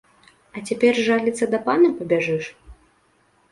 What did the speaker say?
А цяпер жаліцца да пана пабяжыш?!